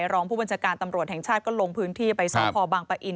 รองผู้บัญชาการตำรวจแห่งชาติก็ลงพื้นที่ไปสพบังปะอิน